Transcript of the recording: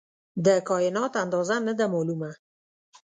د کائنات اندازه نه ده معلومه.